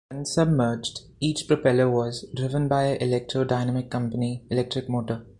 When submerged each propeller was driven by a Electro Dynamic Company electric motor.